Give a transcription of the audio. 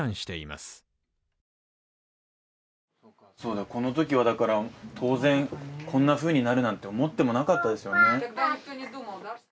そうか、そうだこのときはだから、当然、こんなふうになるなんて思ってもなかったですよね。